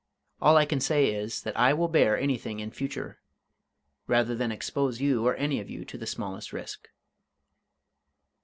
All I can say is, that I will bear anything in future rather than expose you or any of you to the smallest risk."